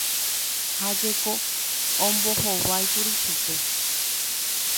Ha jeko ombohováikuri chupe